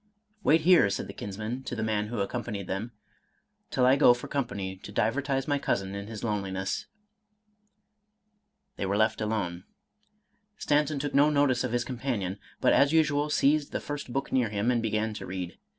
Wait here," said the kinsman, to the man who accom panied them, " till I go for company to divertise my cousin in his loneliness." They were left alone. Stanton took no notice of his companion, but as usual seized the first book near him, and began to read.